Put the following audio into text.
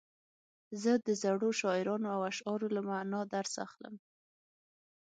زه د زړو شاعرانو د اشعارو له معنا درس اخلم.